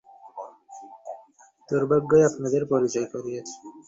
দুর্ভাগ্যই আপনাদের পরিচয় করিয়েছে।